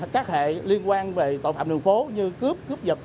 các hệ liên quan về tội phạm đường phố như cướp cướp giật